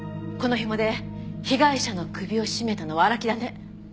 この紐で被害者の首を絞めたのは荒木田ね。